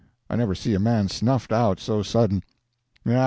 I never see a man snuffed out so sudden.